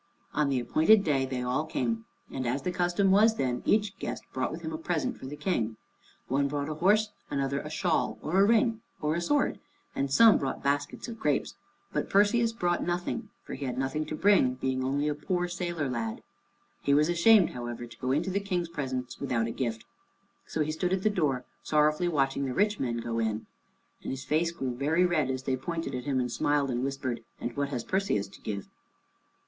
On the appointed day they all came, and as the custom was then, each guest brought with him a present for the King. One brought a horse, another a shawl, or a ring, or a sword, and some brought baskets of grapes, but Perseus brought nothing, for he had nothing to bring, being only a poor sailor lad. He was ashamed, however, to go into the King's presence without a gift. So he stood at the door, sorrowfully watching the rich men go in, and his face grew very red as they pointed at him and smiled and whispered, "And what has Perseus to give?"